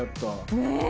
ねえ！